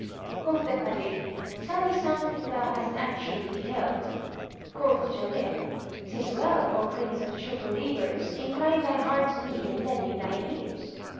Quoth the Caliph, "Tell me something thou hast actually beheld." Quoth Jamil, "'Tis well, O Prince of True Believers; incline thy heart to me and lend me thine ears."